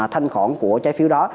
thanh khỏng của trái phiếu đó